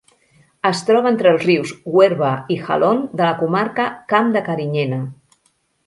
Es troba entre els rius Huerva i Jalón, de la comarca Camp de Carinyena.